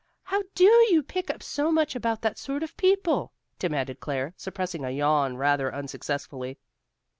How do you pick up so much about that sort of people?" demanded Claire, suppressing a yawn rather unsuccessfully.